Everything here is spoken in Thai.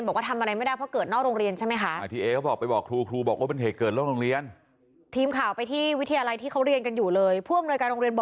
เขาไปหาลูกเราที่บ้านเขามารับ